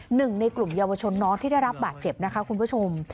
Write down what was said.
หนึ่งในกลุ่มเยาวชนน้องที่ได้รับบาดเจ็บนะคะคุณผู้ชม